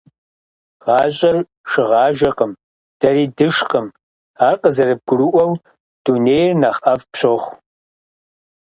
Гъащӏэр шыгъажэкъым, дэри дышкъым. Ар къызэрыбгурыӏуэу, дунейр нэхъ ӏэфӏ пщохъу.